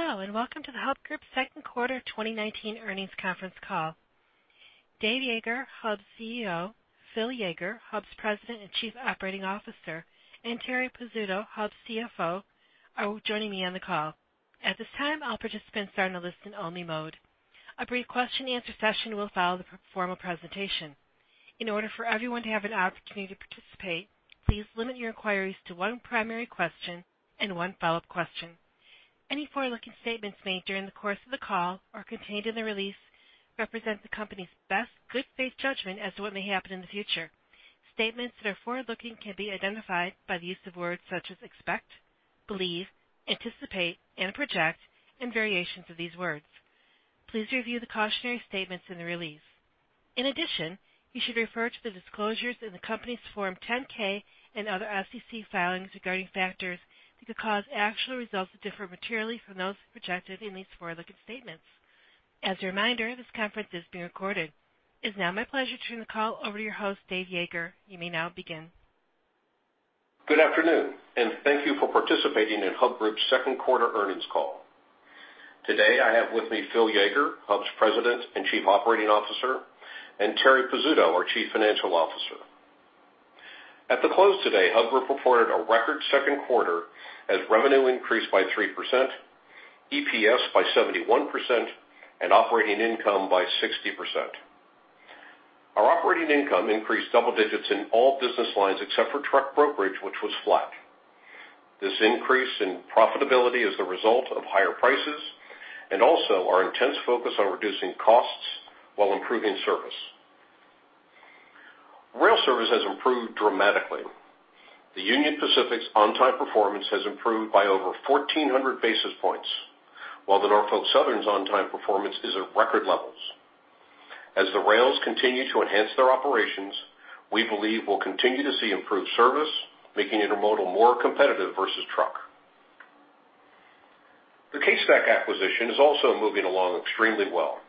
Hello, and welcome to the Hub Group second quarter 2019 earnings conference call. Dave Yeager, Hub's CEO, Phil Yeager, Hub's President and Chief Operating Officer, and Terri Pizzuto, Hub's CFO, are joining me on the call. At this time, all participants are in a listen-only mode. A brief question-answer session will follow the formal presentation. In order for everyone to have an opportunity to participate, please limit your inquiries to one primary question and one follow-up question. Any forward-looking statements made during the course of the call or contained in the release represent the company's best good faith judgment as to what may happen in the future. Statements that are forward-looking can be identified by the use of words such as "expect," "believe," "anticipate," and "project," and variations of these words. Please review the cautionary statements in the release. In addition, you should refer to the disclosures in the company's Form 10-K and other SEC filings regarding factors that could cause actual results to differ materially from those projected in these forward-looking statements. As a reminder, this conference is being recorded. It's now my pleasure to turn the call over to your host, Dave Yeager. You may now begin. Good afternoon, and thank you for participating in Hub Group's second quarter earnings call. Today, I have with me Phil Yeager, Hub's President and Chief Operating Officer, and Terri Pizzuto, our Chief Financial Officer. At the close today, Hub Group reported a record second quarter, as revenue increased by 3%, EPS by 71%, and operating income by 60%. Our operating income increased double digits in all business lines except for truck brokerage, which was flat. This increase in profitability is the result of higher prices and also our intense focus on reducing costs while improving service. Rail service has improved dramatically. The Union Pacific's on-time performance has improved by over 1,400 basis points, while the Norfolk Southern's on-time performance is at record levels. As the rails continue to enhance their operations, we believe we'll continue to see improved service, making intermodal more competitive versus truck. The CaseStack acquisition is also moving along extremely well.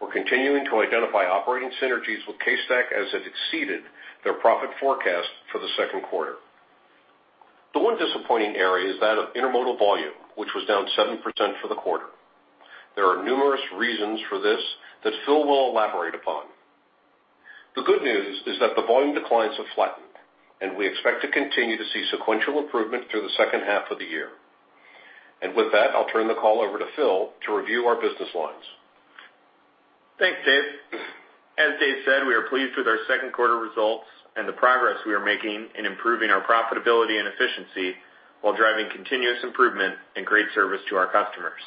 We're continuing to identify operating synergies with CaseStack, as it exceeded their profit forecast for the second quarter. The one disappointing area is that of intermodal volume, which was down 7% for the quarter. There are numerous reasons for this that Phil will elaborate upon. The good news is that the volume declines have flattened, and we expect to continue to see sequential improvement through the second half of the year. With that, I'll turn the call over to Phil to review our business lines. Thanks, Dave. As Dave said, we are pleased with our second quarter results and the progress we are making in improving our profitability and efficiency while driving continuous improvement and great service to our customers.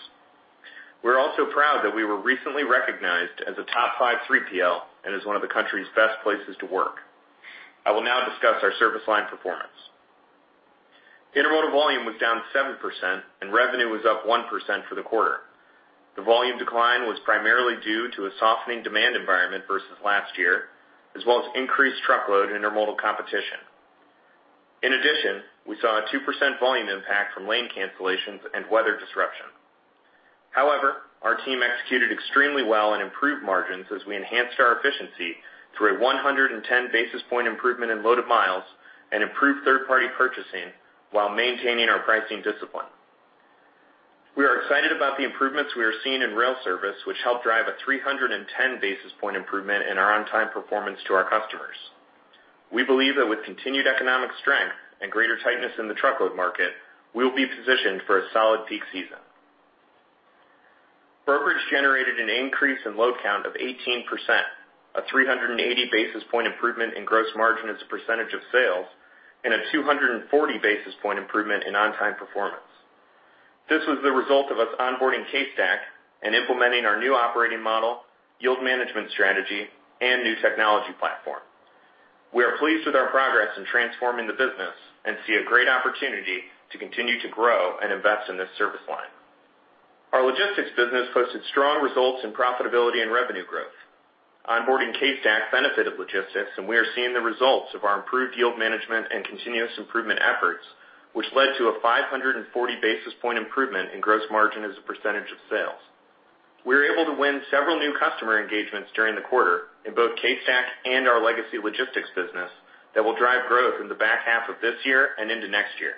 We're also proud that we were recently recognized as a top five 3PL and as one of the country's best places to work. I will now discuss our service line performance. Intermodal volume was down 7%, and revenue was up 1% for the quarter. The volume decline was primarily due to a softening demand environment versus last year, as well as increased truckload intermodal competition. In addition, we saw a 2% volume impact from lane cancellations and weather disruption. However, our team executed extremely well and improved margins as we enhanced our efficiency through a 110 basis point improvement in loaded miles and improved third-party purchasing while maintaining our pricing discipline. We are excited about the improvements we are seeing in rail service, which helped drive a 310 basis point improvement in our on-time performance to our customers. We believe that with continued economic strength and greater tightness in the truckload market, we'll be positioned for a solid peak season. Brokerage generated an increase in load count of 18%, a 380 basis point improvement in gross margin as a percentage of sales, and a 240 basis point improvement in on-time performance. This was the result of us onboarding CaseStack and implementing our new operating model, yield management strategy, and new technology platform. We are pleased with our progress in transforming the business and see a great opportunity to continue to grow and invest in this service line. Our Logistics business posted strong results in profitability and revenue growth. Onboarding CaseStack benefited logistics, and we are seeing the results of our improved yield management and continuous improvement efforts, which led to a 540 basis point improvement in gross margin as a percentage of sales. We were able to win several new customer engagements during the quarter in both CaseStack and our legacy logistics business that will drive growth in the back half of this year and into next year.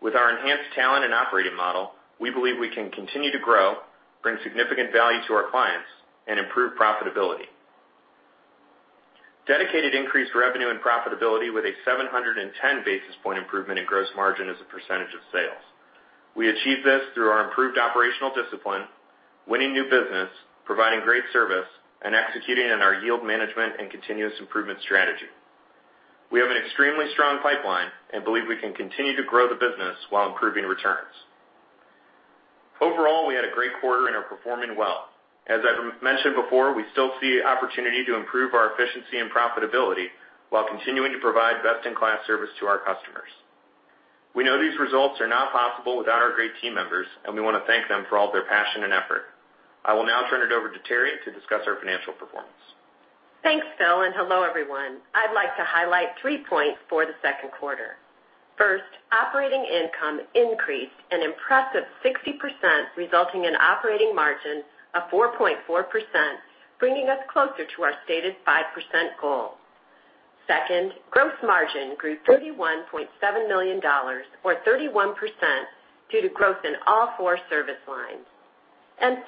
With our enhanced talent and operating model, we believe we can continue to grow, bring significant value to our clients, and improve profitability. Dedicated increased revenue and profitability with a 710 basis point improvement in gross margin as a percentage of sales. We achieved this through our improved operational discipline, winning new business, providing great service, and executing on our yield management and continuous improvement strategy. We have an extremely strong pipeline and believe we can continue to grow the business while improving returns. Overall, we had a great quarter and are performing well. As I mentioned before, we still see opportunity to improve our efficiency and profitability while continuing to provide best-in-class service to our customers. We know these results are not possible without our great team members, and we want to thank them for all their passion and effort. I will now turn it over to Terri to discuss our financial performance. Thanks, Phil, and hello, everyone. I'd like to highlight three points for the second quarter. First, operating income increased an impressive 60%, resulting in operating margin of 4.4%, bringing us closer to our stated 5% goal. Gross margin grew $31.7 million or 31% due to growth in all four service lines.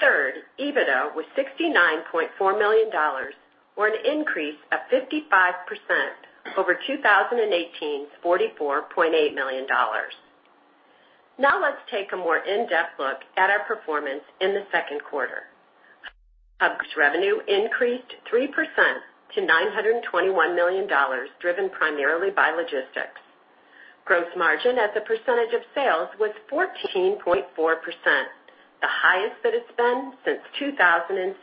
Third, EBITDA was $69.4 million or an increase of 55% over 2018's $44.8 million. Let's take a more in-depth look at our performance in the second quarter. Hub Group's revenue increased 3% to $921 million, driven primarily by logistics. Gross margin as a percentage of sales was 14.4%, the highest it has been since 2007.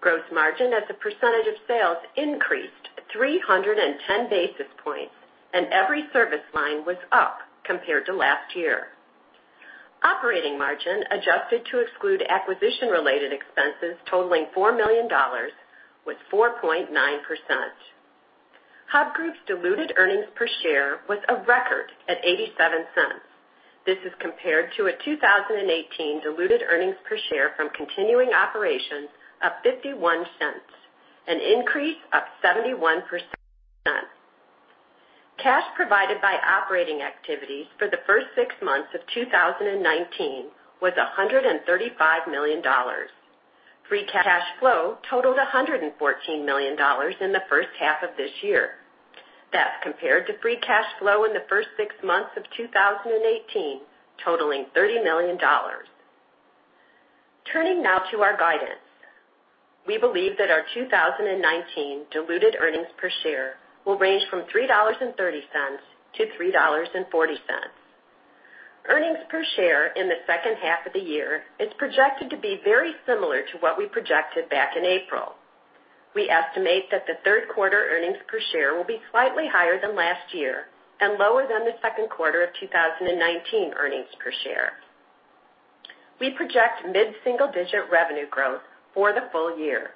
Gross margin as a percentage of sales increased 310 basis points, every service line was up compared to last year. Operating margin adjusted to exclude acquisition-related expenses totaling $4 million was 4.9%. Hub Group's diluted earnings per share was a record at $0.87. This is compared to a 2018 diluted earnings per share from continuing operations of $0.51, an increase of 71%. Cash provided by operating activities for the first six months of 2019 was $135 million. Free cash flow totaled $114 million in the first half of this year. That's compared to free cash flow in the first six months of 2018, totaling $30 million. Turning now to our guidance. We believe that our 2019 diluted earnings per share will range from $3.30 to $3.40. Earnings per share in the second half of the year is projected to be very similar to what we projected back in April. We estimate that the third quarter earnings per share will be slightly higher than last year and lower than the second quarter of 2019 earnings per share. We project mid-single-digit revenue growth for the full year.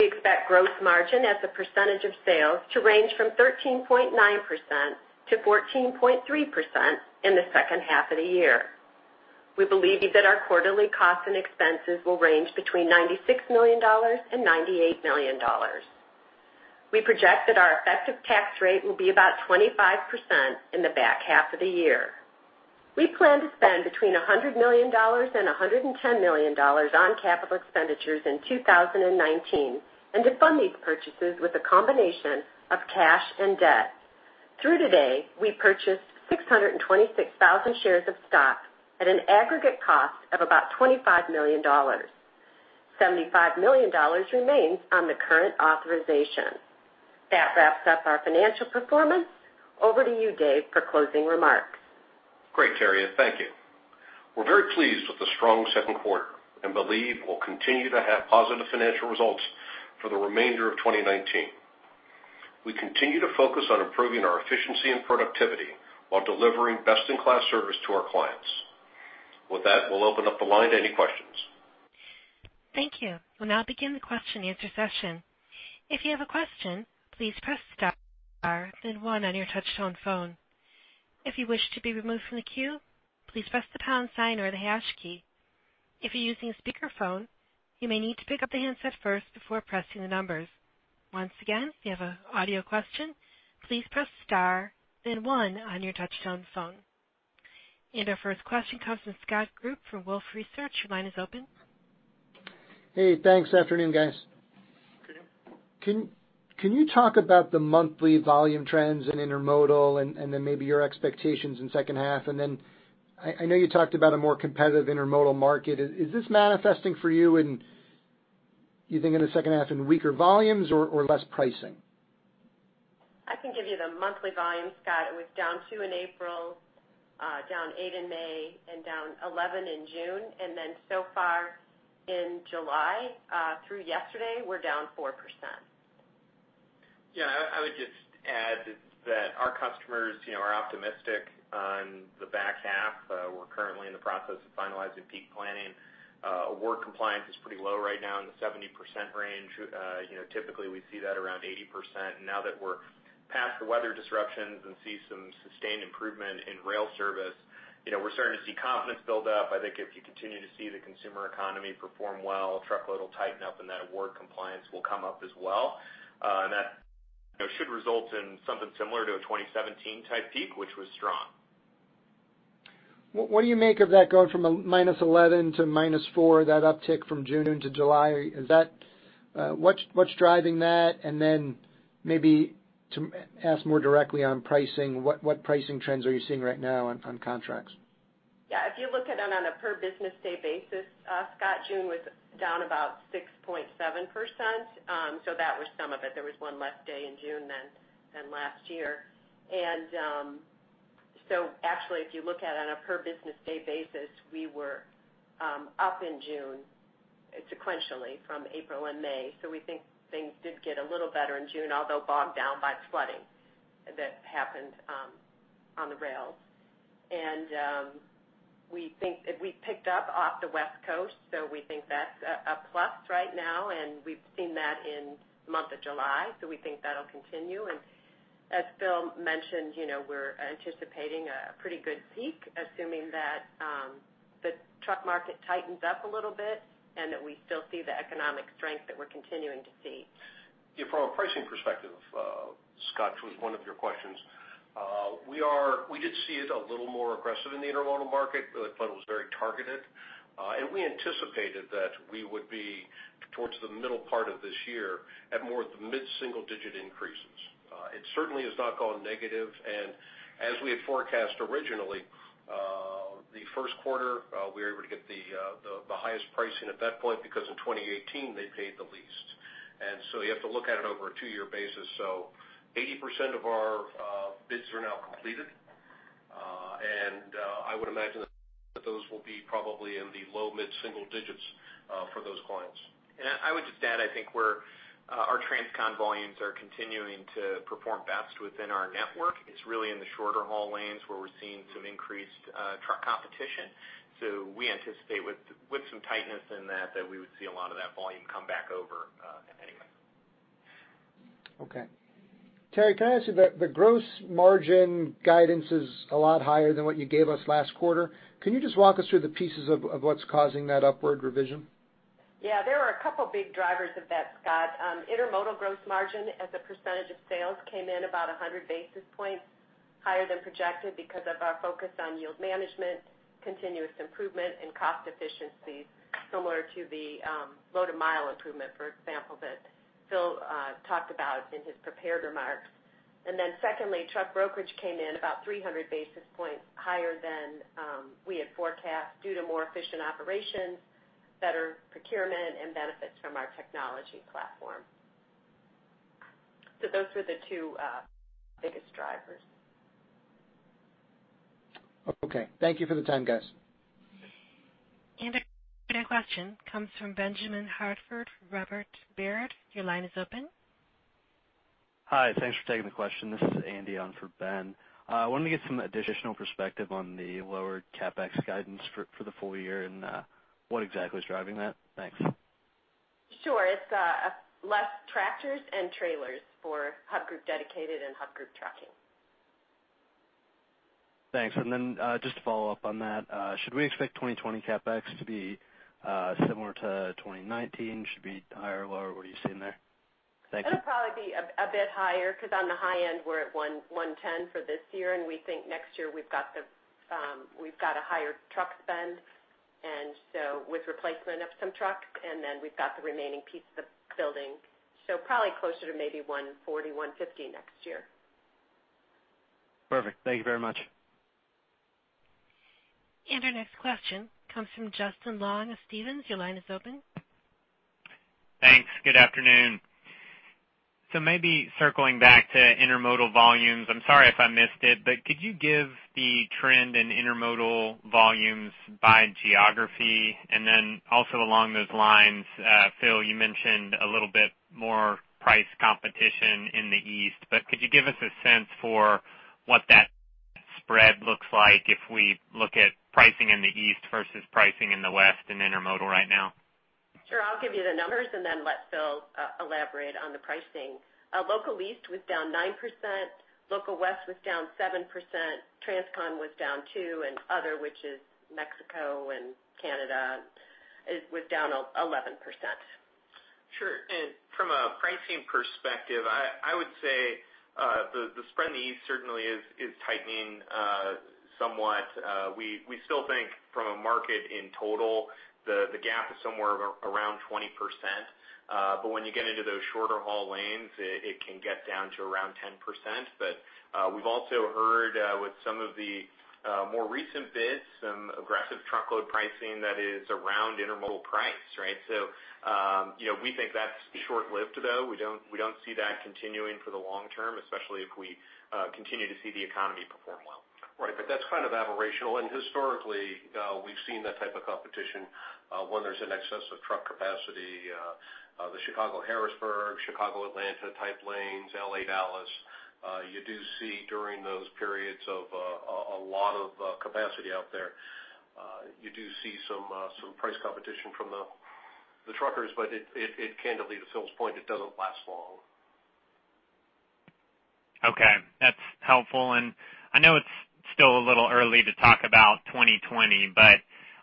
We expect gross margin as a percentage of sales to range from 13.9% to 14.3% in the second half of the year. We believe that our quarterly costs and expenses will range between $96 million and $98 million. We project that our effective tax rate will be about 25% in the back half of the year. We plan to spend between $100 million and $110 million on capital expenditures in 2019, and to fund these purchases with a combination of cash and debt. Through today, we purchased 626,000 shares of stock at an aggregate cost of about $25 million. $75 million remains on the current authorization. That wraps up our financial performance. Over to you, Dave, for closing remarks. Great, Terri. Thank you. We're very pleased with the strong second quarter and believe we'll continue to have positive financial results for the remainder of 2019. We continue to focus on improving our efficiency and productivity while delivering best-in-class service to our clients. With that, we'll open up the line to any questions. Thank you. We'll now begin the question and answer session. If you have a question, please press star then one on your touchtone phone. If you wish to be removed from the queue, please press the pound sign or the hash key. If you're using a speakerphone, you may need to pick up the handset first before pressing the numbers. Once again, if you have an audio question, please press star then one on your touchtone phone. Our first question comes from Scott Group from Wolfe Research. Your line is open. Hey, thanks. Afternoon, guys. Good afternoon. Can you talk about the monthly volume trends in Intermodal and then maybe your expectations in second half? I know you talked about a more competitive Intermodal market. Is this manifesting for you in, you think in the second half in weaker volumes or less pricing? I can give you the monthly volume, Scott. It was down 2% in April, down 8% in May, and down 11% in June. So far in July, through yesterday, we're down 4%. Yeah, I would just add that our customers are optimistic on the back half. We're currently in the process of finalizing peak planning. bid compliance is pretty low right now in the 70% range. Typically, we see that around 80%. Now that we're past the weather disruptions and see some sustained improvement in rail service, we're starting to see confidence build up. I think if you continue to see the consumer economy perform well, truckload will tighten up and that bid compliance will come up as well. That should result in something similar to a 2017-type peak, which was strong. What do you make of that going from a -11 to minus four, that uptick from June into July? What's driving that? Then maybe to ask more directly on pricing, what pricing trends are you seeing right now on contracts? Yeah. If you look at it on a per business day basis, Scott, June was down about 6.7%. That was some of it. There was one less day in June than last year. Actually if you look at it on a per business day basis, we were up in June sequentially from April and May. We think things did get a little better in June, although bogged down by flooding that happened on the rails. We think that we picked up off the West Coast, so we think that's a plus right now, and we've seen that in the month of July, so we think that'll continue. As Phil mentioned, we're anticipating a pretty good peak, assuming that the truck market tightens up a little bit, and that we still see the economic strength that we're continuing to see. Yeah. From a pricing perspective, Scott, which was one of your questions. We did see it a little more aggressive in the intermodal market. I feel it was very targeted. We anticipated that we would be, towards the middle part of this year, at more mid-single-digit increases. It certainly has not gone negative. As we had forecast originally, the first quarter, we were able to get the highest pricing at that point, because in 2018, they paid the least. You have to look at it over a two-year basis. 80% of our bids are now completed. I would imagine that those will be probably in the low mid-single digits for those clients. I would just add, I think our transcon volumes are continuing to perform best within our network. It's really in the shorter haul lanes where we're seeing some increased truck competition. We anticipate with some tightness in that, we would see a lot of that volume come back over anyway. Okay. Terri, can I ask you, the gross margin guidance is a lot higher than what you gave us last quarter. Can you just walk us through the pieces of what's causing that upward revision? Yeah, there are a couple big drivers of that, Scott. Intermodal gross margin as a percentage of sales came in about 100 basis points higher than projected because of our focus on yield management, continuous improvement, and cost efficiencies, similar to the load to mile improvement, for example, that Phil talked about in his prepared remarks. Secondly, truck brokerage came in about 300 basis points higher than we had forecast due to more efficient operations, better procurement, and benefits from our technology platform. Those were the two biggest drivers. Okay. Thank you for the time, guys. Our next question comes from Benjamin Hartford, Robert Baird. Your line is open. Hi. Thanks for taking the question. This is Andy on for Ben. I wanted to get some additional perspective on the lower CapEx guidance for the full year and what exactly is driving that. Thanks. Sure. It's less tractors and trailers for Hub Group Dedicated and Hub Group Trucking. Thanks. Just to follow up on that, should we expect 2020 CapEx to be similar to 2019? Should it be higher or lower? What are you seeing there? Thanks. It'll probably be a bit higher, because on the high end, we're at $110 for this year, and we think next year we've got a higher truck spend, and so with replacement of some trucks, and then we've got the remaining piece of the building. Probably closer to maybe $140, $150 next year. Perfect. Thank you very much. Our next question comes from Justin Long of Stephens. Your line is open. Thanks. Good afternoon. Maybe circling back to intermodal volumes, I'm sorry if I missed it, but could you give the trend in intermodal volumes by geography? Also along those lines, Phil, you mentioned a little bit more price competition in the East, but could you give us a sense for what that spread looks like if we look at pricing in the East versus pricing in the West in intermodal right now? Sure. I'll give you the numbers and then let Phil elaborate on the pricing. Local East was down 9%, Local West was down 7%, transcon was down 2%, and other, which is Mexico and Canada, was down 11%. Sure. From a pricing perspective, I would say the spread in the East certainly is tightening somewhat. We still think from a market in total, the gap is somewhere around 20%. When you get into those shorter haul lanes, it can get down to around 10%. We've also heard with some of the more recent bids, some aggressive truckload pricing that is around intermodal price, right? We think that's short-lived, though. We don't see that continuing for the long term, especially if we continue to see the economy perform well. Right. That's kind of aberrational. Historically, we've seen that type of competition when there's an excess of truck capacity. The Chicago-Harrisburg, Chicago-Atlanta type lanes, L.A.-Dallas. You do see during those periods of a lot of capacity out there, you do see some price competition from the truckers, but it can, to lead to Phil's point, it doesn't last long. Okay. That's helpful. I know it's still a little early to talk about 2020, but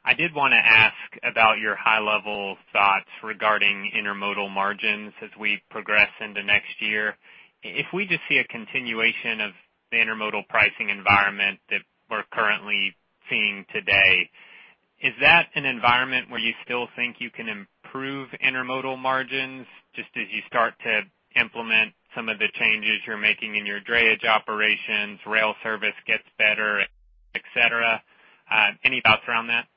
I did want to ask about your high-level thoughts regarding intermodal margins as we progress into next year. If we just see a continuation of the intermodal pricing environment that we're currently seeing today, is that an environment where you still think you can improve intermodal margins just as you start to implement some of the changes you're making in your drayage operations, rail service gets better, et cetera? Any thoughts around that?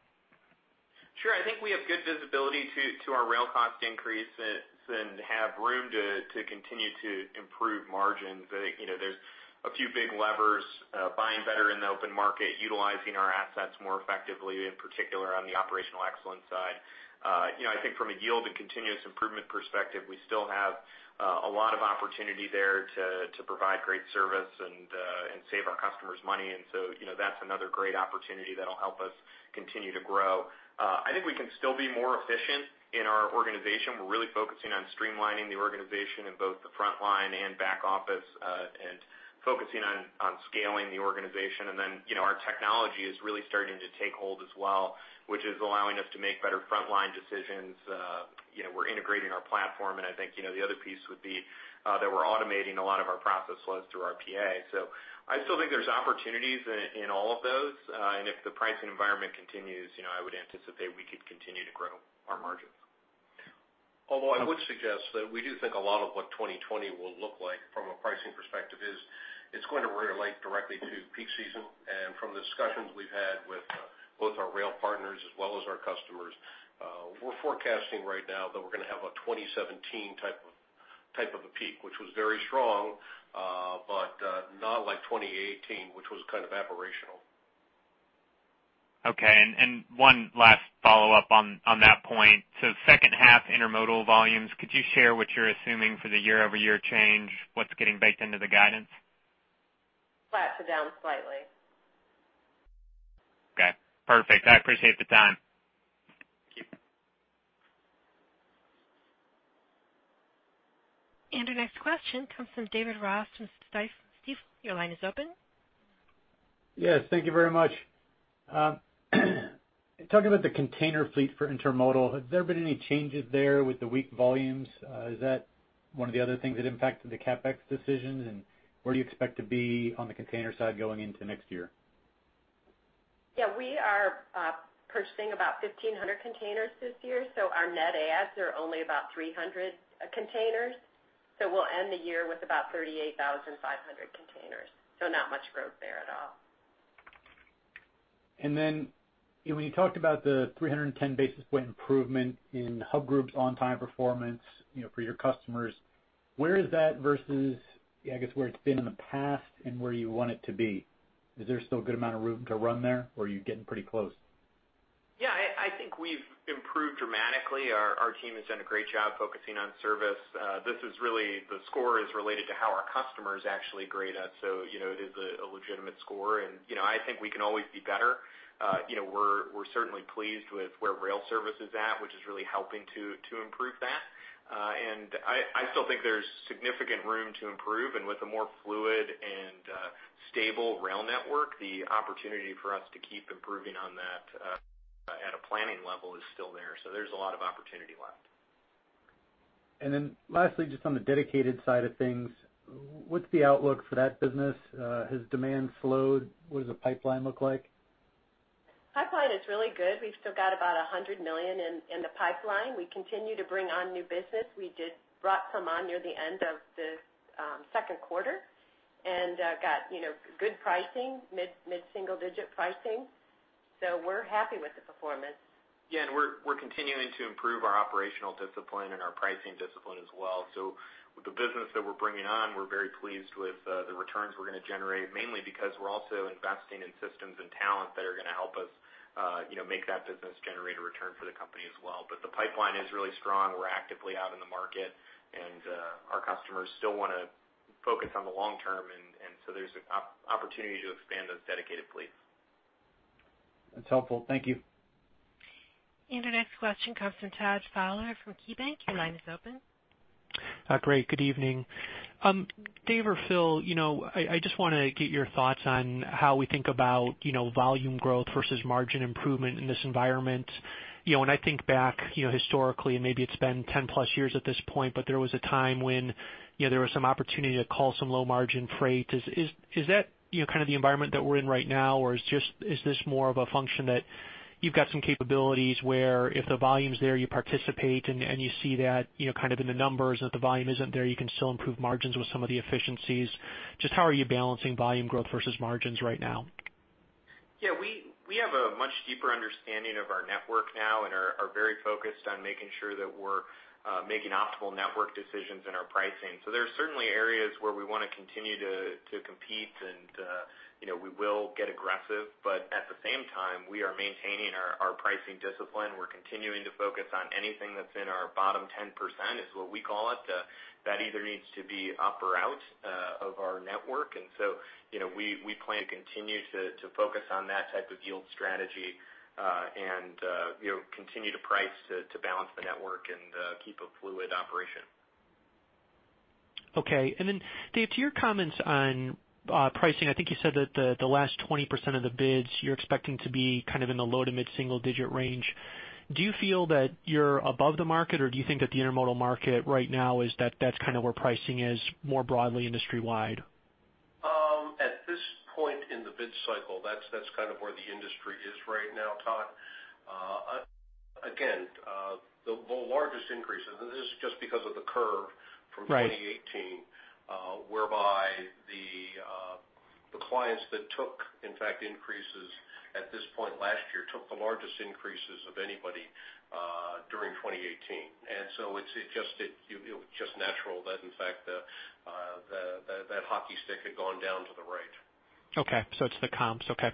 Sure. I think we have good visibility to our rail cost increases and have room to continue to improve margins. There's a few big levers, buying better in the open market, utilizing our assets more effectively, in particular on the operational excellence side. I think from a yield and continuous improvement perspective, we still have a lot of opportunity there to provide great service and save our customers money. That's another great opportunity that'll help us continue to grow. I think we can still be more efficient in our organization. We're really focusing on streamlining the organization in both the frontline and back office, and focusing on scaling the organization. Our technology is really starting to take hold as well, which is allowing us to make better frontline decisions. We're integrating our platform, and I think the other piece would be that we're automating a lot of our process flows through our RPA. I still think there's opportunities in all of those. If the pricing environment continues, I would anticipate we could continue to grow our margins. I would suggest that we do think a lot of what 2020 will look like from a pricing perspective is, it's going to relate directly to peak season. From the discussions we've had with both our rail partners as well as our customers, we're forecasting right now that we're going to have a 2017 type of a peak, which was very strong but not like 2018, which was kind of aberrational. Okay, one last follow-up on that point. Second half intermodal volumes, could you share what you're assuming for the year-over-year change? What's getting baked into the guidance? Flat to down slightly. Okay, perfect. I appreciate the time. Thank you. Our next question comes from David Ross from Stifel. Steve, your line is open. Yes, thank you very much. Talking about the container fleet for intermodal, has there been any changes there with the weak volumes? Is that one of the other things that impacted the CapEx decisions, and where do you expect to be on the container side going into next year? We are purchasing about 1,500 containers this year. Our net adds are only about 300 containers. We'll end the year with about 38,500 containers. Not much growth there at all. When you talked about the 310 basis points improvement in Hub Group's on-time performance for your customers, where is that versus, I guess, where it's been in the past and where you want it to be? Is there still a good amount of room to run there, or are you getting pretty close? Yeah, I think we've improved dramatically. Our team has done a great job focusing on service. The score is related to how our customers actually grade us, so it is a legitimate score. I think we can always be better. We're certainly pleased with where rail service is at, which is really helping to improve that. I still think there's significant room to improve. With a more fluid and stable rail network, the opportunity for us to keep improving on that at a planning level is still there. There's a lot of opportunity left. Lastly, just on the dedicated side of things, what's the outlook for that business? Has demand slowed? What does the pipeline look like? Pipeline is really good. We've still got about $100 million in the pipeline. We continue to bring on new business. We did bring some on near the end of the second quarter and got good pricing, mid-single-digit pricing. We're happy with the performance. Yeah, we're continuing to improve our operational discipline and our pricing discipline as well. With the business that we're bringing on, we're very pleased with the returns we're going to generate, mainly because we're also investing in systems and talent that are going to help us make that business generate a return for the company as well. The pipeline is really strong. We're actively out in the market, and our customers still want to focus on the long term, and so there's an opportunity to expand those dedicated fleets. That's helpful. Thank you. Our next question comes from Todd Fowler from KeyBanc. Your line is open. Great. Good evening. Dave or Phil, I just want to get your thoughts on how we think about volume growth versus margin improvement in this environment. When I think back historically, and maybe it's been 10 plus years at this point, there was a time when there was some opportunity to call some low margin freight. Is that the environment that we're in right now, or is this more of a function that you've got some capabilities where if the volume's there, you participate, and you see that in the numbers, and if the volume isn't there, you can still improve margins with some of the efficiencies? Just how are you balancing volume growth versus margins right now? We have a much deeper understanding of our network now and are very focused on making sure that we're making optimal network decisions in our pricing. There are certainly areas where we want to continue to compete, and we will get aggressive, but at the same time, we are maintaining our pricing discipline. We're continuing to focus on anything that's in our bottom 10%, is what we call it, that either needs to be up or out of our network. We plan to continue to focus on that type of yield strategy, and continue to price to balance the network and keep a fluid operation. Okay. Dave, to your comments on pricing, I think you said that the last 20% of the bids you're expecting to be in the low to mid-single digit range. Do you feel that you're above the market, or do you think that the intermodal market right now is that's where pricing is more broadly industry-wide? At this point in the bid cycle, that's where the industry is right now, Todd. The largest increase, and this is just because of the curve. Right 2018, whereby the clients that took, in fact, increases at this point last year took the largest increases of anybody during 2018. It's just natural that in fact that hockey stick had gone down to the right. Okay, it's the comps. Okay.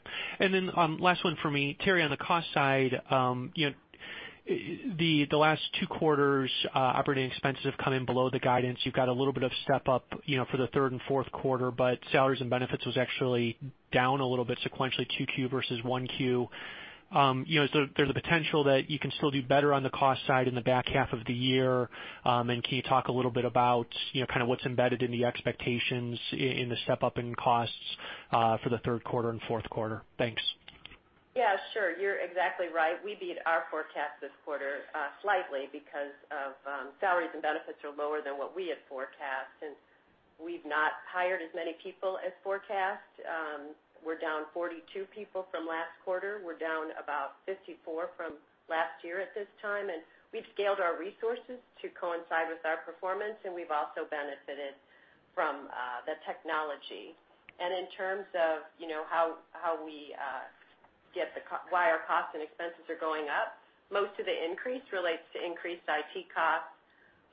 Last one for me. Terri, on the cost side, you know, the last two quarters operating expenses have come in below the guidance. You've got a little bit of step-up for the third and fourth quarter, but salaries and benefits was actually down a little bit sequentially, 2Q versus 1Q. Is there the potential that you can still do better on the cost side in the back half of the year? Can you talk a little bit about what's embedded in the expectations in the step-up in costs for the third quarter and fourth quarter? Thanks. Sure. You're exactly right. We beat our forecast this quarter slightly because salaries and benefits are lower than what we had forecast. We've not hired as many people as forecast. We're down 42 people from last quarter. We're down about 54 from last year at this time. We've scaled our resources to coincide with our performance. We've also benefited from the technology. In terms of why our costs and expenses are going up, most of the increase relates to increased IT costs.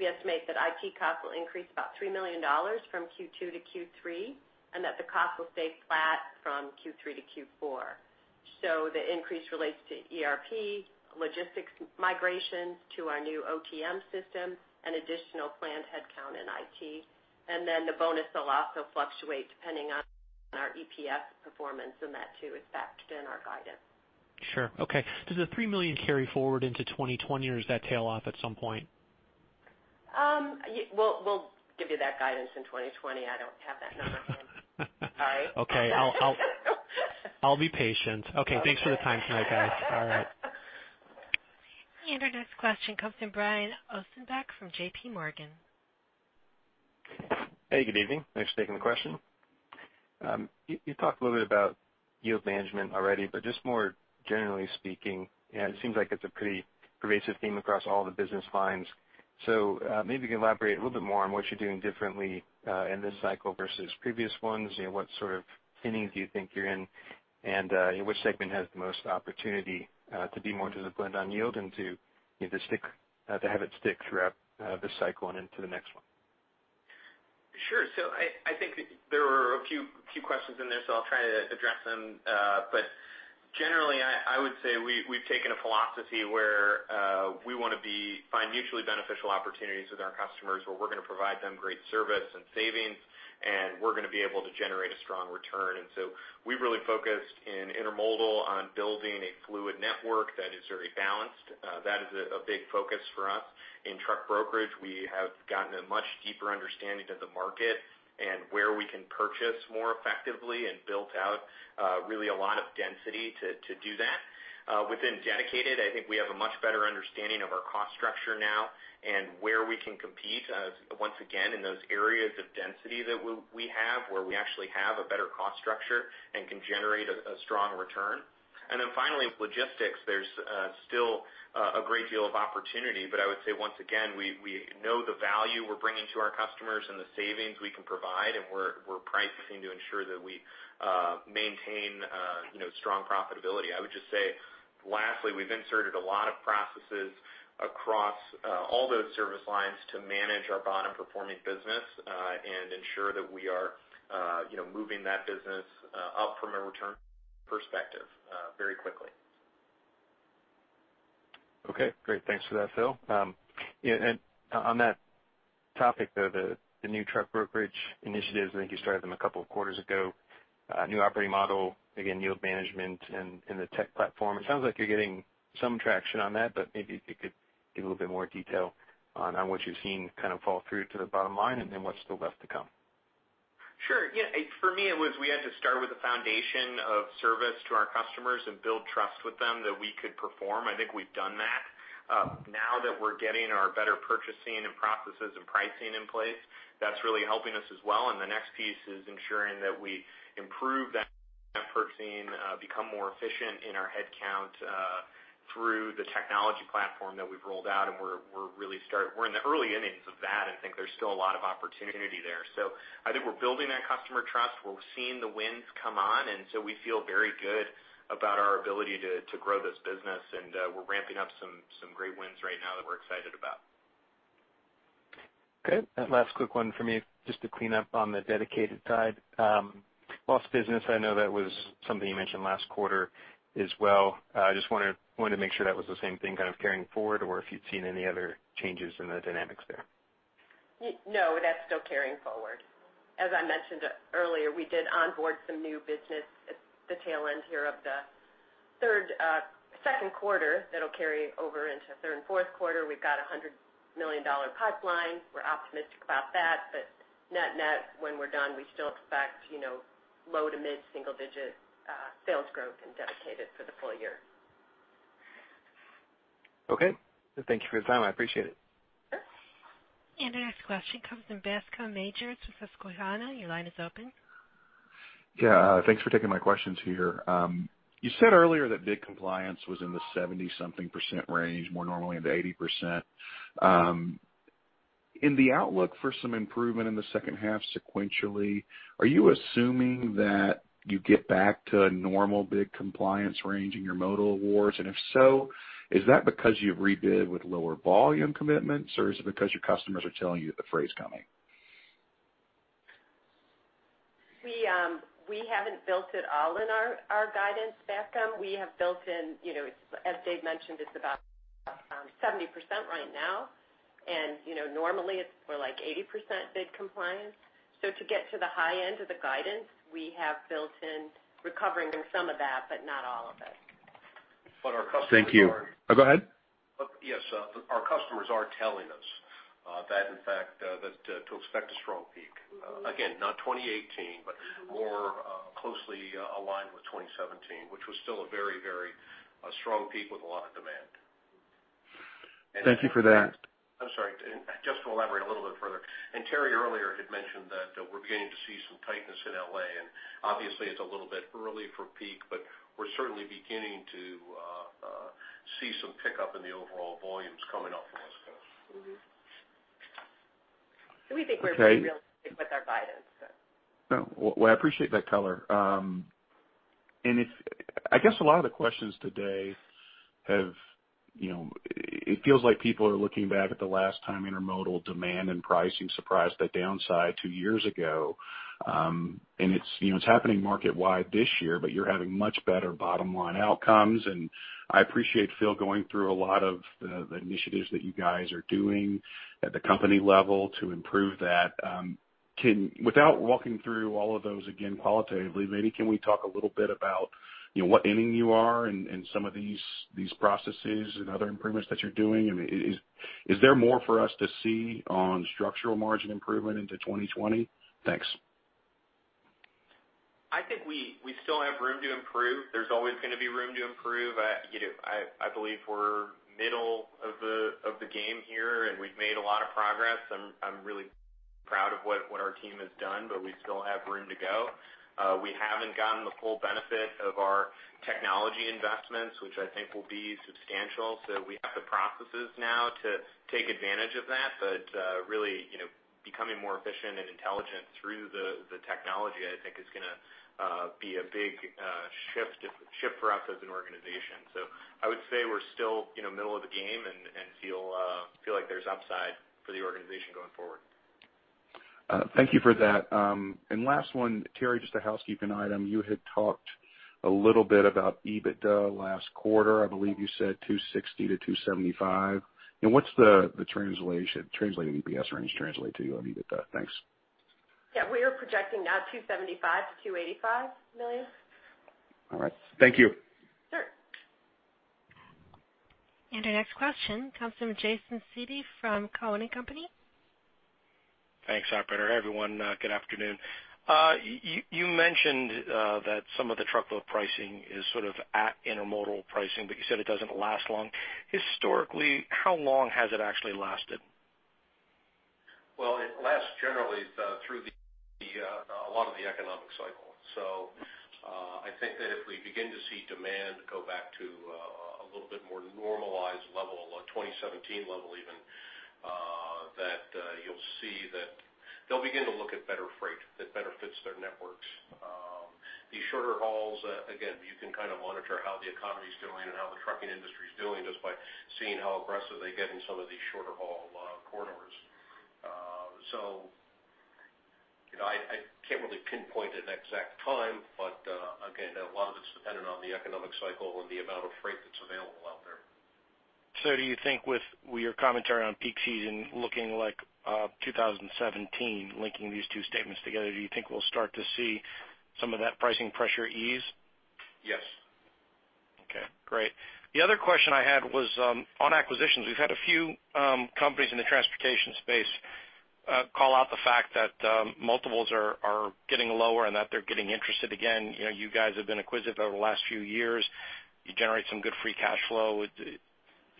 We estimate that IT costs will increase about $3 million from Q2 to Q3. The cost will stay flat from Q3 to Q4. The increase relates to ERP, logistics migrations to our new OTM system, and additional planned headcount in IT. The bonus will also fluctuate depending on our EPS performance, and that too is factored in our guidance. Sure. Okay. Does the $3 million carry forward into 2020, or does that tail off at some point? We'll give you that guidance in 2020. I don't have that number, sorry. Okay. I'll be patient. Okay. Thanks for the time tonight, guys. All right. Our next question comes from Brian Ossenbeck from J.P. Morgan. Hey, good evening. Thanks for taking the question. You talked a little bit about yield management already, but just more generally speaking, it seems like it's a pretty pervasive theme across all the business lines. Maybe you can elaborate a little bit more on what you're doing differently in this cycle versus previous ones. What sort of inning do you think you're in? Which segment has the most opportunity to be more disciplined on yield and to have it stick throughout this cycle and into the next one? Sure. I think there were a few questions in there, I'll try to address them. Generally, I would say we've taken a philosophy where we want to find mutually beneficial opportunities with our customers, where we're going to provide them great service and savings, and we're going to be able to generate a strong return. We've really focused in Intermodal on building a fluid network that is very balanced. That is a big focus for us. In Truck Brokerage, we have gotten a much deeper understanding of the market and where we can purchase more effectively and built out really a lot of density to do that. Within Dedicated, I think we have a much better understanding of our cost structure now and where we can compete, once again, in those areas of density that we have, where we actually have a better cost structure and can generate a strong return. Finally, with Logistics, there's still a great deal of opportunity. I would say, once again, we know the value we're bringing to our customers and the savings we can provide, and we're pricing to ensure that we maintain strong profitability. I would just say, lastly, we've inserted a lot of processes across all those service lines to manage our bottom-performing business and ensure that we are moving that business up from a return perspective very quickly. Okay, great. Thanks for that, Phil. On that topic, though, the new truck brokerage initiatives, I think you started them a couple of quarters ago, new operating model, again, yield management and the tech platform. It sounds like you're getting some traction on that, but maybe if you could give a little bit more detail on what you're seeing kind of fall through to the bottom line and then what's still left to come. Sure. For me, it was we had to start with the foundation of service to our customers and build trust with them that we could perform. I think we've done that. We're getting our better purchasing and processes and pricing in place, that's really helping us as well. The next piece is ensuring that we improve that purchasing, become more efficient in our headcount through the technology platform that we've rolled out, and we're in the early innings of that. I think there's still a lot of opportunity there. I think we're building that customer trust. We're seeing the wins come on, we feel very good about our ability to grow this business, and we're ramping up some great wins right now that we're excited about. Okay. Last quick one from me, just to clean up on the Dedicated side. Lost business, I know that was something you mentioned last quarter as well. I just wanted to make sure that was the same thing kind of carrying forward, or if you'd seen any other changes in the dynamics there. That's still carrying forward. As I mentioned earlier, we did onboard some new business at the tail end here of the second quarter that'll carry over into third and fourth quarter. We've got a $100 million pipeline. We're optimistic about that. Net-net, when we're done, we still expect low to mid single digit sales growth in Dedicated for the full year. Okay. Thank you for your time. I appreciate it. Sure. Our next question comes from Bascome Majors at Susquehanna. Your line is open. Yeah. Thanks for taking my questions here. You said earlier that bid compliance was in the 70-something% range, more normally into 80%. In the outlook for some improvement in the second half sequentially, are you assuming that you get back to a normal bid compliance range in your modal awards? If so, is that because you rebid with lower volume commitments, or is it because your customers are telling you the freight's coming? We haven't built it all in our guidance, Bascome. We have built in, as Dave mentioned, it's about 70% right now. Normally, it's more like 80% bid compliance. To get to the high end of the guidance, we have built in recovering some of that, but not all of it. But our customers are- Thank you. Go ahead. Yes. Our customers are telling us that in fact, to expect a strong peak. Again, not 2018, but more closely aligned with 2017, which was still a very strong peak with a lot of demand. Thank you for that. I'm sorry. Just to elaborate a little bit further. Terri earlier had mentioned that we're beginning to see some tightness in L.A., and obviously it's a little bit early for peak, but we're certainly beginning to see some pickup in the overall volumes coming off the West Coast. Mm-hmm. We think. Okay being realistic with our guidance. No. Well, I appreciate that color. I guess a lot of the questions today, it feels like people are looking back at the last time intermodal demand and pricing surprised the downside two years ago. It's happening market-wide this year, but you're having much better bottom-line outcomes, and I appreciate Phil going through a lot of the initiatives that you guys are doing at the company level to improve that. Without walking through all of those again qualitatively, maybe can we talk a little bit about what inning you are in some of these processes and other improvements that you're doing? Is there more for us to see on structural margin improvement into 2020? Thanks. I think we still have room to improve. There's always going to be room to improve. I believe we're middle of the game here, and we've made a lot of progress. I'm really proud of what our team has done, but we still have room to go. We haven't gotten the full benefit of our technology investments, which I think will be substantial. We have the processes now to take advantage of that. Really, becoming more efficient and intelligent through the technology, I think is going to be a big shift for us as an organization. I would say we're still middle of the game and feel like there's upside for the organization going forward. Thank you for that. Last one, Terri, just a housekeeping item. You had talked a little bit about EBITDA last quarter. I believe you said $260-$275. What's the translation? Translated EPS range translate to on EBITDA. Thanks. Yeah, we are projecting now $275 million-$285 million. All right. Thank you. Sure. Our next question comes from Jason Seidl from Cowen and Company. Thanks, operator. Everyone, good afternoon. You mentioned that some of the truckload pricing is sort of at intermodal pricing, but you said it doesn't last long. Historically, how long has it actually lasted? It lasts generally through a lot of the economic cycle. I think that if we begin to see demand go back to a little bit more normalized level, a 2017 level even, that you'll see that they'll begin to look at better freight that better fits their networks. These shorter hauls, again, you can kind of monitor how the economy's doing and how the trucking industry's doing just by seeing how aggressive they get in some of these shorter haul corridors. I can't really pinpoint an exact time, but again, a lot of it's dependent on the economic cycle and the amount of freight that's available out there. Do you think with your commentary on peak season looking like 2017, linking these two statements together, do you think we'll start to see some of that pricing pressure ease? Yes. Okay, great. The other question I had was on acquisitions. We've had a few companies in the transportation space call out the fact that multiples are getting lower and that they're getting interested again. You guys have been acquisitive over the last few years. You generate some good free cash flow.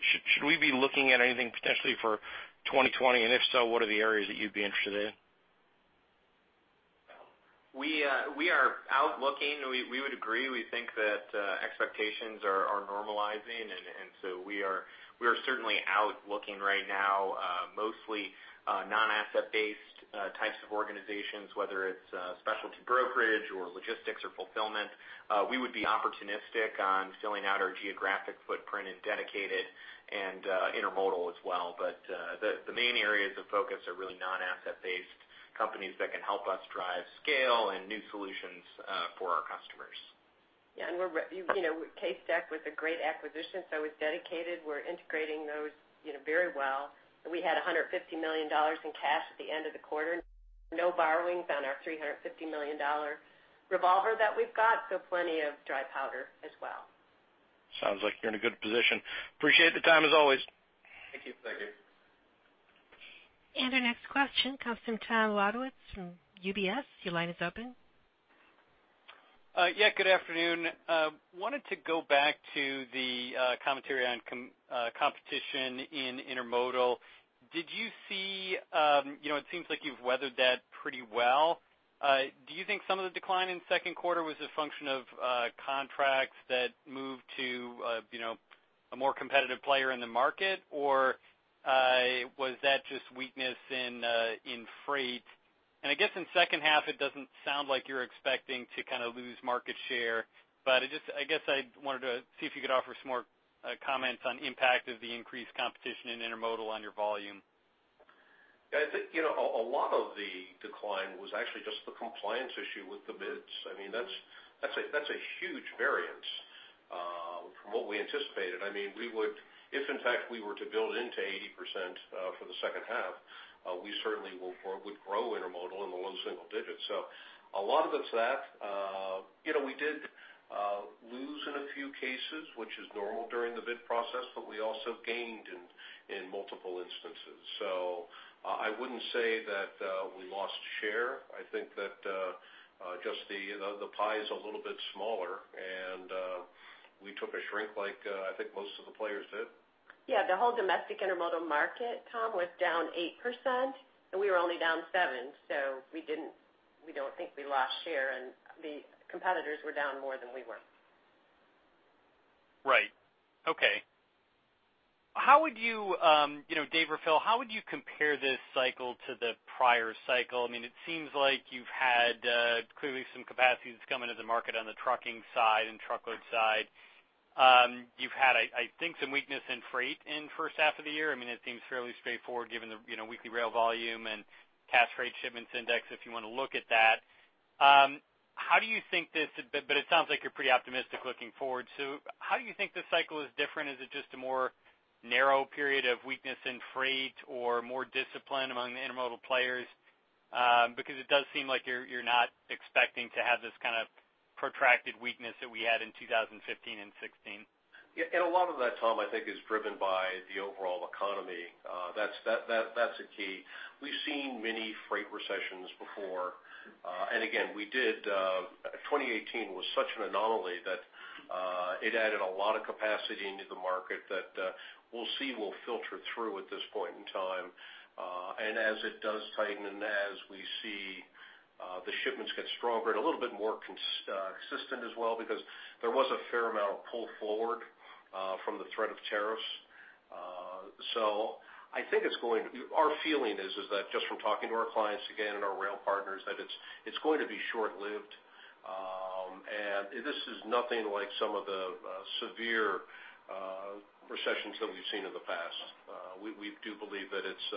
Should we be looking at anything potentially for 2020? If so, what are the areas that you'd be interested in? We are out looking. We would agree. We think that expectations are normalizing. We are certainly out looking right now. Mostly non-asset-based types of organizations, whether it's specialty brokerage or logistics or fulfillment. We would be opportunistic on filling out our geographic footprint in dedicated and intermodal as well. The main areas of focus are really non-asset-based companies that can help us drive scale and new solutions for our customers. CaseStack was a great acquisition, so was Dedicated. We're integrating those very well. We had $150 million in cash at the end of the quarter. No borrowings on our $350 million revolver that we've got, so plenty of dry powder as well. Sounds like you're in a good position. Appreciate the time, as always. Thank you. Thank you. Our next question comes from Tom Wadewitz from UBS. Your line is open. Yeah, good afternoon. Wanted to go back to the commentary on competition in intermodal. Did you see, it seems like you've weathered that pretty well. Do you think some of the decline in second quarter was a function of contracts that moved to a more competitive player in the market, or was that just weakness in freight? I guess in second half, it doesn't sound like you're expecting to kind of lose market share, but I guess I wanted to see if you could offer some more comments on impact of the increased competition in intermodal on your volume. I think a lot of the decline was actually just the compliance issue with the bids. That's a huge variance from what we anticipated. If in fact we were to build into 80% for the second half, we certainly would grow intermodal in the low single digits. A lot of it's that. We did lose in a few cases, which is normal during the bid process, but we also gained in multiple instances. I wouldn't say that we lost share. I think that just the pie is a little bit smaller, and we took a shrink like I think most of the players did. Yeah. The whole domestic intermodal market, Tom, was down 8%. We were only down 7%. We don't think we lost share. The competitors were down more than we were. Right. Okay. Dave or Phil, how would you compare this cycle to the prior cycle? It seems like you've had clearly some capacity that's come into the market on the trucking side and truckload side. You've had, I think, some weakness in freight in the first half of the year. It seems fairly straightforward given the weekly rail volume and Cash Freight Shipments Index, if you want to look at that. It sounds like you're pretty optimistic looking forward. How do you think this cycle is different? Is it just a more narrow period of weakness in freight or more discipline among the intermodal players? It does seem like you're not expecting to have this kind of protracted weakness that we had in 2015 and 2016. Yeah. A lot of that, Tom, I think, is driven by the overall economy. That's the key. We've seen many freight recessions before. Again, 2018 was such an anomaly that it added a lot of capacity into the market that we'll see will filter through at this point in time. As it does tighten and as we see the shipments get stronger and a little bit more consistent as well, because there was a fair amount of pull forward from the threat of tariffs. Our feeling is that just from talking to our clients, again, and our rail partners, that it's going to be short-lived. This is nothing like some of the severe recessions that we've seen in the past. We do believe that it's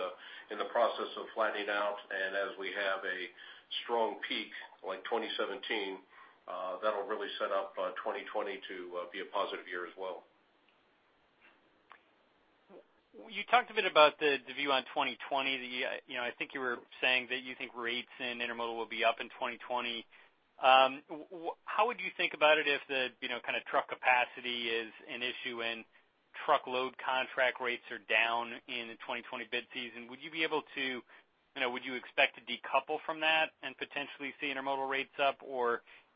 in the process of flattening out, and as we have a strong peak like 2017, that'll really set up 2020 to be a positive year as well. You talked a bit about the view on 2020. I think you were saying that you think rates in intermodal will be up in 2020. How would you think about it if the truck capacity is an issue and truckload contract rates are down in the 2020 bid season? Would you expect to decouple from that and potentially see intermodal rates up?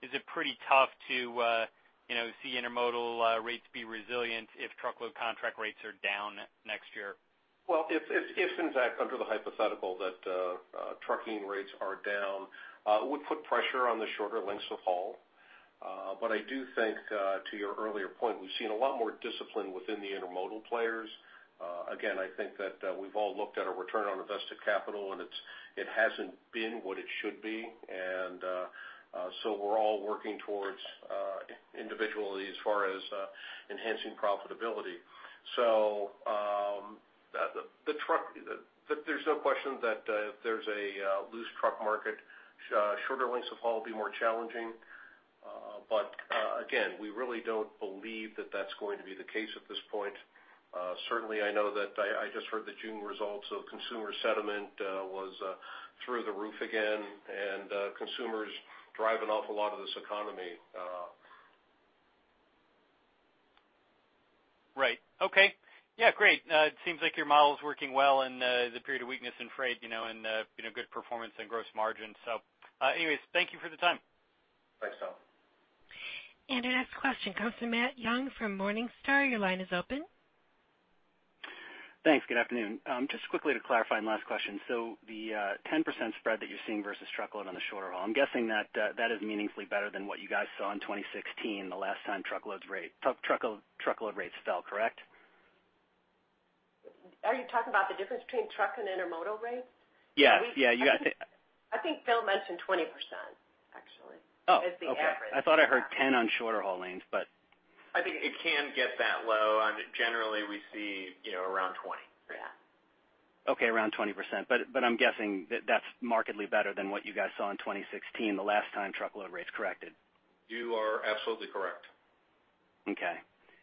Is it pretty tough to see intermodal rates be resilient if truckload contract rates are down next year? Well, if in fact under the hypothetical that trucking rates are down, it would put pressure on the shorter lengths of haul. I do think, to your earlier point, we've seen a lot more discipline within the intermodal players. Again, I think that we've all looked at our return on invested capital, and it hasn't been what it should be. We're all working towards individually as far as enhancing profitability. There's no question that if there's a loose truck market, shorter lengths of haul will be more challenging. Again, we really don't believe that that's going to be the case at this point. Certainly, I know that I just heard the June results of consumer sentiment was through the roof again, and consumers drive an awful lot of this economy. Right. Okay. Yeah, great. It seems like your model is working well in the period of weakness in freight, and good performance and gross margin. Anyway, thank you for the time. Thanks, Tom. Our next question comes from Matt Young from Morningstar. Your line is open. Thanks. Good afternoon. Just quickly to clarify, and last question. The 10% spread that you're seeing versus truckload on the shorter haul, I'm guessing that is meaningfully better than what you guys saw in 2016, the last time truckload rates fell, correct? Are you talking about the difference between truck and intermodal rates? Yeah. I think Phil mentioned 20%, actually. Oh, okay. Is the average. I thought I heard 10 on shorter haul lanes. I think it can get that low. Generally, we see around 20%. Yeah. Okay, around 20%. I'm guessing that's markedly better than what you guys saw in 2016, the last time truckload rates corrected. You are absolutely correct. Okay.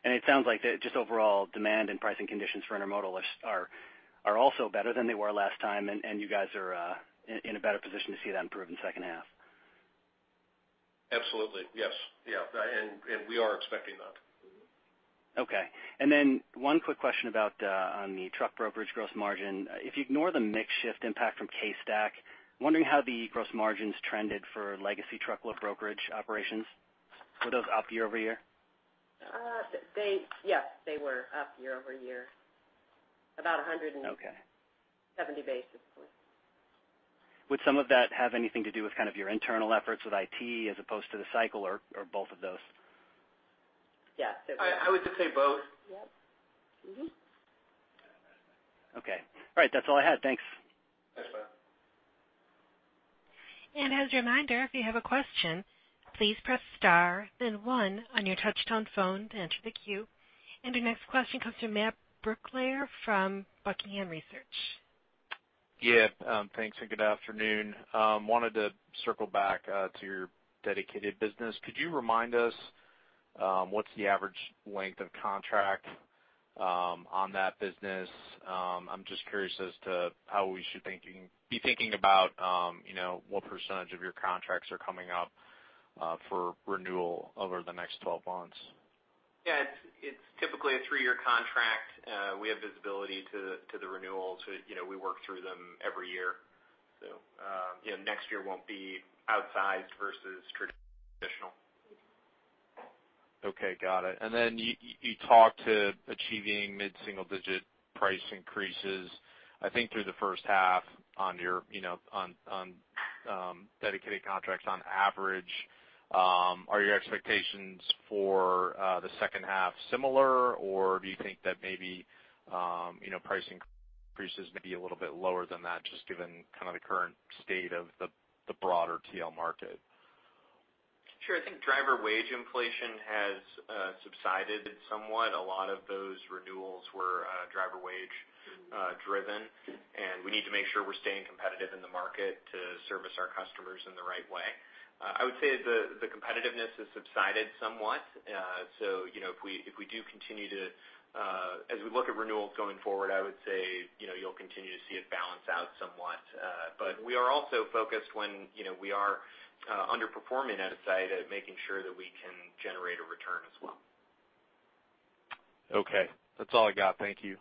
It sounds like just overall demand and pricing conditions for intermodal are also better than they were last time, and you guys are in a better position to see that improve in the second half. Absolutely. Yes. We are expecting that. Okay. One quick question on the truck Brokerage gross margin. If you ignore the mix shift impact from CaseStack, wondering how the gross margins trended for legacy truckload Brokerage operations. Were those up year-over-year? Yes. They were up year-over-year, about 170 basis points. Would some of that have anything to do with your internal efforts with IT as opposed to the cycle, or both of those? Yes. I would just say both. Yep. Mm-hmm. Okay. All right. That's all I had. Thanks. Thanks, Matt. As a reminder, if you have a question, please press star then one on your touch-tone phone to enter the queue. Your next question comes from Matt Brooklier from Buckingham Research. Yeah. Thanks, and good afternoon. I wanted to circle back to your Dedicated business. Could you remind us what's the average length of contract on that business? I'm just curious as to how we should be thinking about what percentage of your contracts are coming up for renewal over the next 12 months. Yeah. It's typically a three-year contract. We have visibility to the renewal, so we work through them every year. Next year won't be outsized versus traditional. Okay, got it. You talked to achieving mid-single-digit price increases, I think, through the first half on dedicated contracts on average. Are your expectations for the second half similar, or do you think that maybe pricing increases may be a little bit lower than that, just given the current state of the broader TL market? Sure. I think driver wage inflation has subsided somewhat. A lot of those renewals were driver wage driven, and we need to make sure we're staying competitive in the market to service our customers in the right way. I would say the competitiveness has subsided somewhat. As we look at renewals going forward, I would say you'll continue to see it balance out somewhat. We are also focused when we are underperforming at a site at making sure that we can generate a return as well. Okay. That's all I got. Thank you.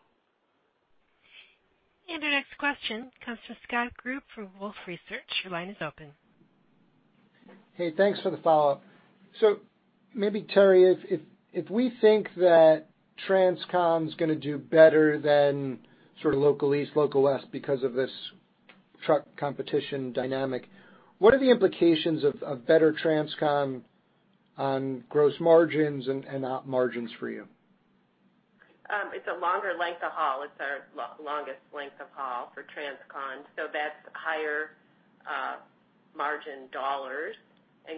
Our next question comes from Scott Group for Wolfe Research. Your line is open. Hey, thanks for the follow-up. Maybe, Terri, if we think that TransCon is going to do better than Local East, Local West because of this truck competition dynamic, what are the implications of better TransCon on gross margins and op margins for you? It's a longer length of haul. It's our longest length of haul for TransCon, so that's higher margin dollars.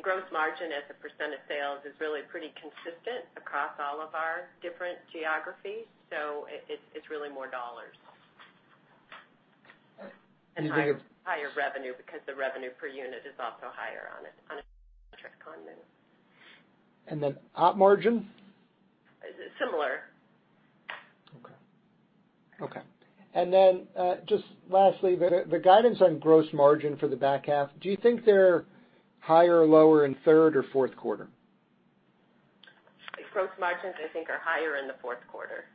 Gross margin as a % of sales is really pretty consistent across all of our different geographies. It's really more dollars. And you think of- Higher revenue because the revenue per unit is also higher on a transcon move. Op margin? Similar. Just lastly, the guidance on gross margin for the back half, do you think they're higher or lower in third or fourth quarter? Gross margins, I think, are higher in the fourth quarter.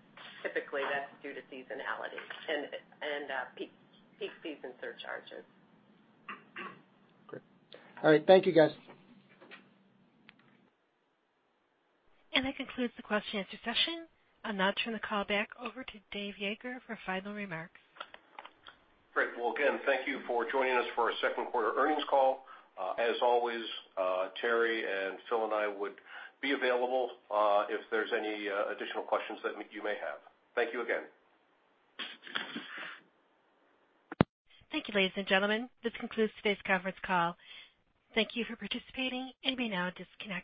Typically, that's due to seasonality and peak season surcharges. Great. All right. Thank you, guys. That concludes the question and answer session. I'll now turn the call back over to Dave Yeager for final remarks. Great. Well, again, thank you for joining us for our second quarter earnings call. As always, Terri and Phil and I would be available if there's any additional questions that you may have. Thank you again. Thank you, ladies and gentlemen. This concludes today's conference call. Thank you for participating. You may now disconnect.